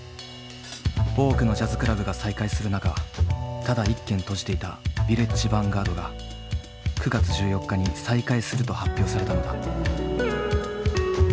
多くのジャズクラブが再開する中ただ一軒閉じていたヴィレッジ・ヴァンガードが９月１４日に再開すると発表されたのだ。